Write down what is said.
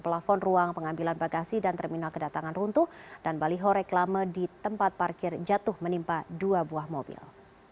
pelafon ruang pengambilan bagasi dan terminal kedatangan runtuh dan baliho reklame di tempat parkir jatuh menimpa dua buah mobil